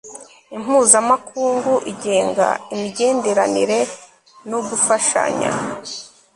impuzamakungu igenga imigenderanire nougufashanya